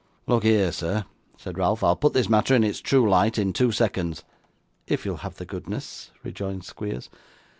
'Look here, sir,' said Ralph; 'I'll put this matter in its true light in two seconds.' 'If you'll have the goodness,' rejoined Squeers.